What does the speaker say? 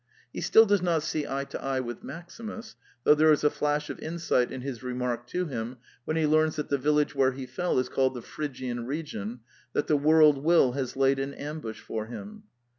He still does not see eye to eye with Maximus, though there is a flash of insight in his remark to him, when he learns that the village where he fell is called the Phrygian region, that " the world will has laid an ambush for him."